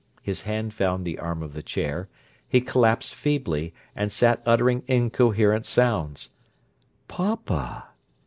His hand found the arm of the chair; he collapsed feebly, and sat uttering incoherent sounds. "Papa!"